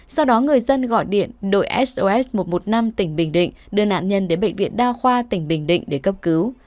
sau đó người dân gọi điện đội sos một trăm một mươi năm tỉnh bình định đưa nạn nhân đến bệnh viện đa khoa tỉnh bình định để cấp cứu